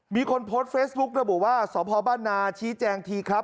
มีคนโพสต์เฟซบุ๊กระบุว่าสพบ้านนาชี้แจงทีครับ